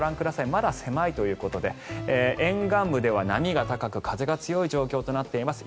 まだ狭いということで沿岸部では波が高く風が強い状況となっています。